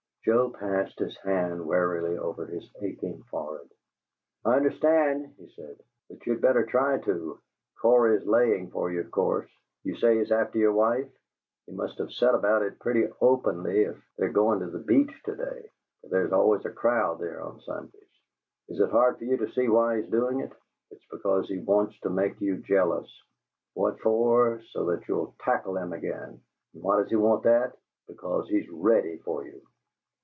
Joe passed his hand wearily over his aching forehead. "I understand," he said, "and you'd better try to. Cory's laying for you, of course. You say he's after your wife? He must have set about it pretty openly if they're going to the Beach to day, for there is always a crowd there on Sundays. Is it hard for you to see why he's doing it? It's because he wants to make you jealous. What for? So that you'll tackle him again. And why does he want that? Because he's ready for you!"